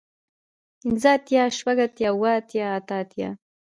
پنځۀ اتيا شپږ اتيا اووه اتيا اتۀ اتيا